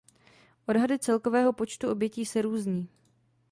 Odhady celkového počtu obětí se různí.